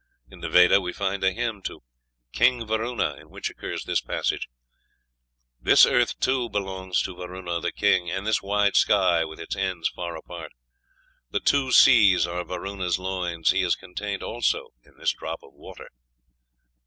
In the Veda we find a hymn to "King Varuna," in which occurs this passage: "This earth, too, belongs to Varuna, the king, and this wide sky, with its ends far apart. The two seas are Varuna's loins; he is contained also in this drop of water."